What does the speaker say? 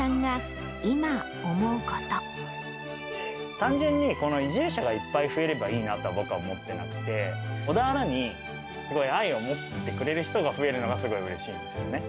単純に、この移住者がいっぱい増えればいいなと僕は思っていなくて、小田原にすごい愛を持ってくれる人が増えるのがすごいうれしいんですよね。